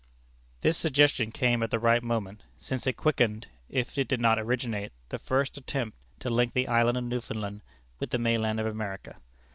This suggestion came at the right moment, since it quickened, if it did not originate, the first attempt to link the island of Newfoundland with the mainland of America.